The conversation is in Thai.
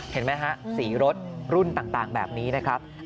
เห็นไหมฮะสีรถรุ่นต่างแบบนี้นะครับ